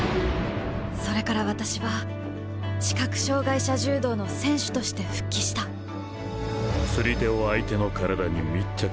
それから私は視覚障害者柔道の選手として復帰した釣り手を相手の体に密着させる。